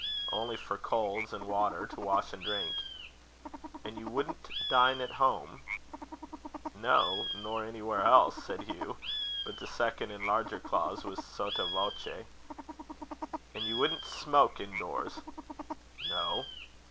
"Only for coals and water to wash and drink." "And you wouldn't dine at home?" "No nor anywhere else," said Hugh; but the second and larger clause was sotto voce. "And you wouldn't smoke in doors?" "No."